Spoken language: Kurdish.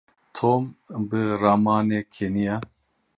Tom bi ramanê keniya.